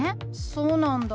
そうなんだ。